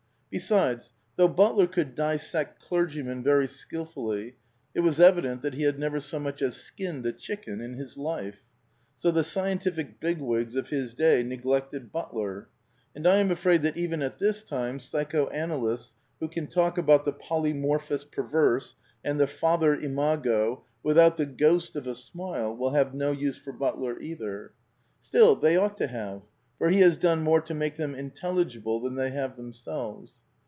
Besides, though Butler could dissect clergymen very skil fully, it was evident that he had never so much as skinned a chicken in his life. So the scientific bigwigs of his day neglected Butler. And I am afraid that even at this moment Psychoanalysts who can talk about the "poly y" morphous perverse" and the "Father Imago" without the ghost of a smile will have no use lor Butler either. Still, they ought to have, for he has done more to make them intelligible than they have themselves.